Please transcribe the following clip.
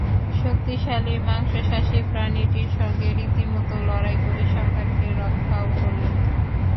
শক্তিশালী মাংশাসী প্রাণীটির সঙ্গে রীতিমতো লড়াই করে সন্তানকে রক্ষাও করলেন তিনি।